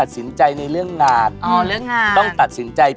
เดือนมกราคม